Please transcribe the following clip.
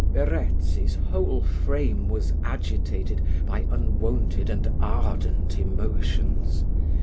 Verezzi's whole frame was agitated by unwonted and ardent emotions.